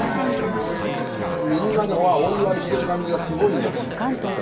みんなでお祝いしてる感じがすごいね。